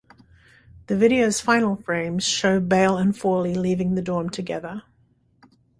The video's final frames show Behl and Fawley leaving the dorm together.